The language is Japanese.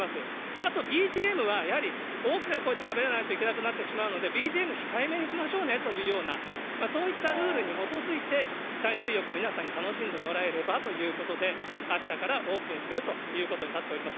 あとＢＧＭは、やはり大きな声でしゃべらないといけなくなってしまうので、ＢＧＭ控えめにしましょうねというような、そういったルールに基づいて、海水浴、皆さんに楽しんでもらえればということで、あしたからオープンするということになっております。